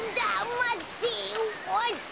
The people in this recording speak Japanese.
まって。